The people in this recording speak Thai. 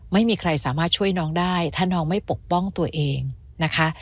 ไม่มีใครสามารถช่วยน้องได้ถ้าน้องไม่ปกป้องตัวเองนะคะ